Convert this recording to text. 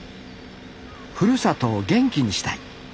ふるさとを元気にしたい。